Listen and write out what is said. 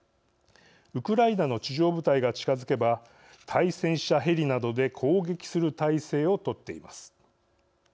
ウクライナの地上部隊が近づけば対戦車ヘリなどで攻撃する態勢を取っています。